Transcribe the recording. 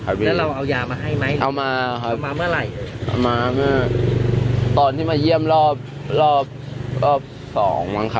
วันที่เราเอาหยาบมาให้ไหมเอามามาเมื่อไหร่ตอนนี้มาเยี่ยมรอบมึงถูก